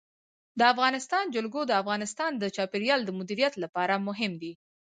د افغانستان جلکو د افغانستان د چاپیریال د مدیریت لپاره مهم دي.